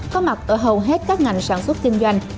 có mặt ở hầu hết các ngành sản xuất kinh doanh